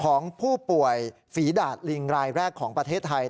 ของผู้ป่วยฝีดาดลิงรายแรกของประเทศไทย